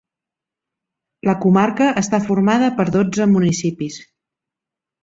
La comarca està formada per dotze municipis.